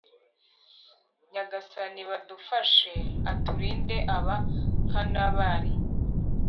Nyagasani baadufashe aturindeaba nka Nabali